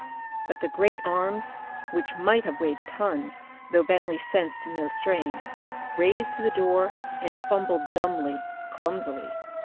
But the great arms, which might have weighed tons, though Bentley sensed no strain, raised to the door and fumbled dumbly, clumsily.